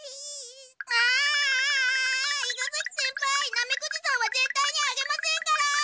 ナメクジさんはぜったいにあげませんから！